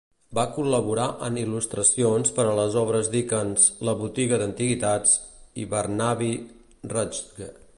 Va col·laborar en il·lustracions per a les obres Dickens "La botiga d'antiguitats" i "Barnaby Rudge".